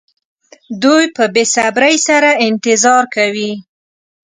دوی په بې صبرۍ سره انتظار کوي.